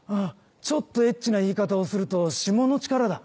ちょっとエッチな言い方をするとしもの力だ。